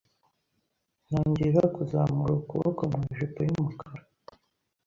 ntangira kuzamura ukuboko mu ijipo y’umukara